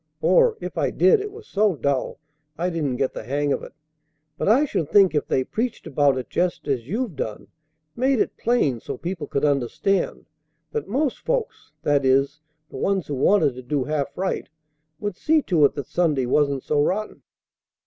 Or, if I did, it was so dull I didn't get the hang of it. But I should think if they preached about it just as you've done, made it plain so people could understand, that most folks, that is, the ones who wanted to do half right, would see to it that Sunday wasn't so rotten."